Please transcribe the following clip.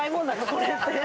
これって。